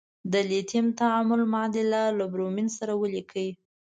د لیتیم تعامل معادله له برومین سره ولیکئ.